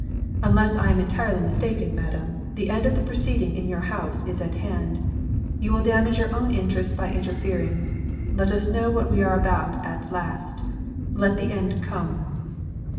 "Unless I am entirely mistaken, madam, the end of the proceedings in your house is at hand. You will damage your own interests by interfering. Let us know what we are about at last. Let the end come."